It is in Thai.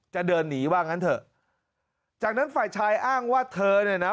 จะเดินหนีว่างั้นเถอะจากนั้นฝ่ายชายอ้างว่าเธอเนี่ยนะ